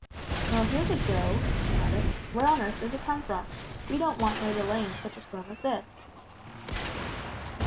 "Well, here's a go," he muttered; "where on earth does it come from, we don't want no delay in such a storm as this!"